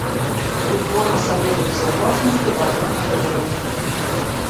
Реформа Совета Безопасности давно назрела.